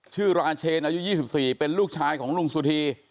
ราเชนอายุ๒๔เป็นลูกชายของลุงสุธี